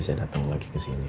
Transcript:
saya datang lagi kesini